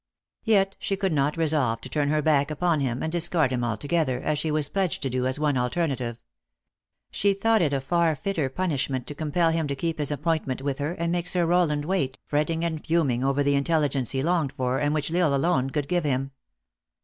Yet she could not resolve to turn her back upon him, and discard him alto gether, as she was pledged to do, as one alternative. She thought it a far fitter punishment to compel him to keep his appointment with her, and make Sir Row land wait, fretting and fuming for the intelligence he longed for, and which L Isle alone could give him.